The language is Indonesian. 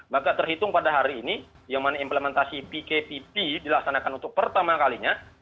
maka terhitung pada hari ini yang mana implementasi pkpp dilaksanakan untuk pertama kalinya